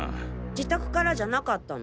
自宅からじゃなかったの？